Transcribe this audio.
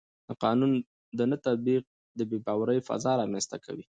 د قانون نه تطبیق د بې باورۍ فضا رامنځته کوي